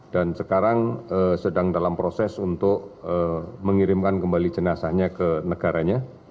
dan sekarang sedang dalam proses untuk mengirimkan kembali jenazahnya ke negaranya